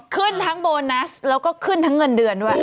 ขึ้นทั้งโบนัสแล้วก็ขึ้นทั้งเงินเดือนด้วย